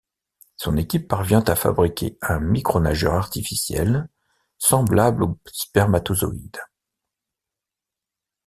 Son équipe parvient à fabriquer un micronageur artificiel semblable au spermatozoide.